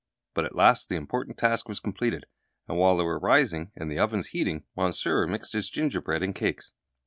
But at last the important task was completed, and while they were rising and the ovens heating, Monsieur mixed his gingerbread and cakes.